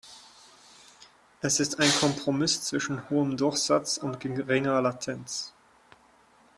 Es ist ein Kompromiss zwischen hohem Durchsatz und geringer Latenz.